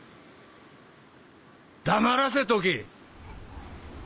黙らせとけ